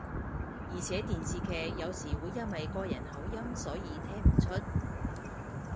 而且電視劇有時會因為個人口音所以聽唔出